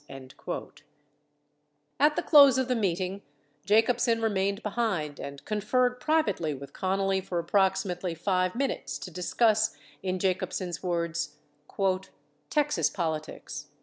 5 At the close of the meeting, J acobsen remained behind and conferred privately with Connally for approximately 5 minutes to discuss, in Jacobsen's words, "Texas politics."